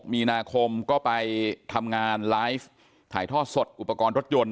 มีนาคมก็ไปทำงานไลฟ์ถ่ายทอดสดอุปกรณ์รถยนต